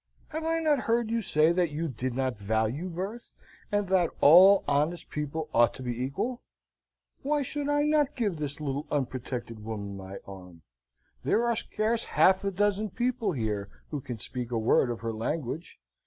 Have I not heard you say that you did not value birth, and that all honest people ought to be equal? Why should I not give this little unprotected woman my arm? there are scarce half a dozen people here who can speak a word of her language.